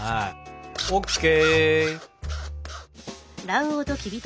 ＯＫ。